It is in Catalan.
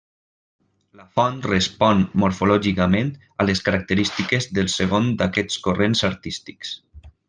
La font respon morfològicament a les característiques del segon d'aquests corrents artístics.